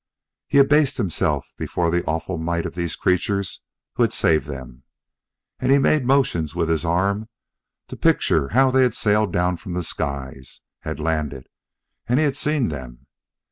He abased himself before the awful might of these creatures who had saved them. And he made motions with his arms to picture how they had sailed down from the skies; had landed; and he had seen them.